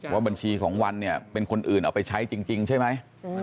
ว่าบัญชีของวันเนี่ยเป็นคนอื่นเอาไปใช้จริงใช่ไหม